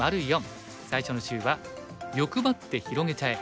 最初の週は「欲張って広げちゃえ！」。